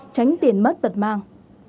tránh tiền mất tật mang